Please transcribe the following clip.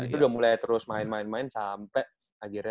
itu udah mulai terus main main sampai akhirnya